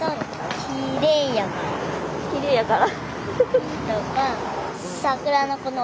きれいやから？